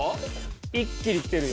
一気にきてるよ。